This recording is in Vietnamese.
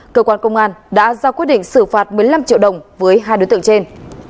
cơ quan công an đã ra quyết định xử phạt một mươi năm triệu đồng với hai đối tượng trên